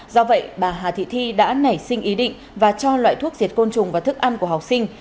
do vậy bà hà thị thi đã nảy sinh ý định và cho loại thuốc diệt côn trùng vào thức ăn của học sinh